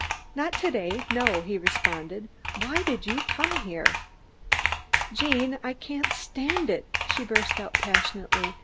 "Not to day, no," he responded. "Why did you come here?" "Gene, I can't stand it," she burst out passionately.